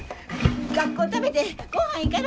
学校食べてごはん行かな！